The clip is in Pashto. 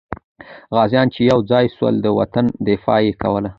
غازیان چې یو ځای سول، د وطن دفاع یې کوله.